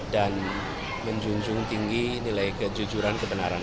dan menjunjung tinggi nilai kejujuran kebenaran